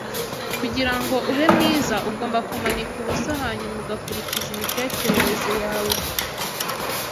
Kugirango ube mwiza, ugomba kumanika ubusa hanyuma ugakurikiza imitekerereze yawe